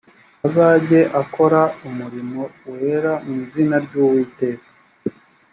azajye akora umurimo wera mu izina ry uwiteka